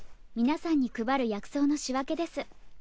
皆さんに配る薬草の仕分けです。